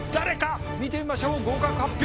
見てみましょう合格発表。